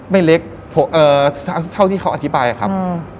ไม่เล็กเท่าที่เขาอธิบายครับ